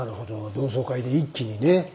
同窓会で一気にね。